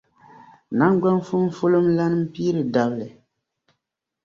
Naŋgban’ fumfulumlana m-piiri dabili.